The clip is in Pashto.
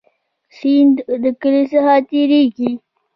سیند د کلی څخه تیریږي